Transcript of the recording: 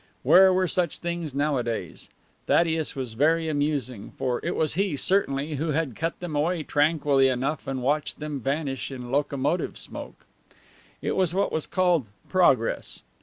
Where were such things nowadays? Thaddeus was very amusing, for it was he, certainly, who had cut them away tranquilly enough and watched them vanish in locomotive smoke. It was what was called Progress.